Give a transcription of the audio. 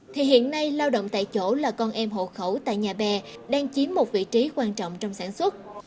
thì hiện nay lao động tại chỗ là con em hộ khẩu tại nhà bè đang chiếm một vị trí quan trọng trong sản xuất